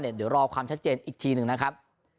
เดี๋ยวรอความชัดเจนอีกทีหนึ่งนะครับ